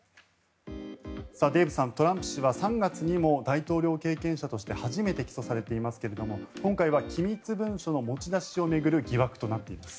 デーブさんトランプ氏は３月にも大統領経験者として初めて起訴されていますが今回は機密文書の持ち出しを巡る疑惑となっています。